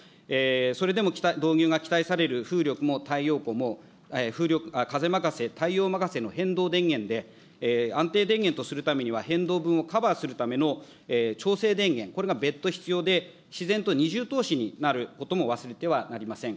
それでも導入が期待される風力も太陽光も、風任せ、太陽任せの変動電源で、安定電源とするためには変動分をカバーするための調整電源、これが別途必要で、自然と二重投資になることも忘れてはなりません。